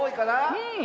うん。